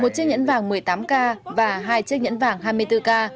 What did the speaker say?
một chiếc nhẫn vàng một mươi tám k và hai chiếc nhẫn vàng hai mươi bốn k